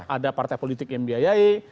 ada partai politik yang biayai